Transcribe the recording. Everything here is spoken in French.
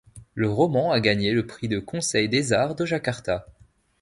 Le roman a gagné le prix de conseil des arts de Jakarta.